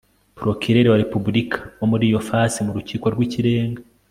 prokireri wa repubulika wo muri iyo fasi mu rukiko rw ikirenga